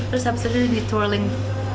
terus habis itu diturling